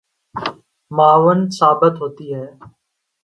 معاون ثابت ہوتی ہیں